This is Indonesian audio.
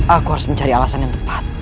aku harus mencari alasan yang tepat